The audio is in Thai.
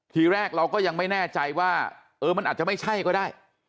ทีแรกเราก็ยังไม่แน่ใจว่าเออมันอาจจะไม่ใช่ก็ได้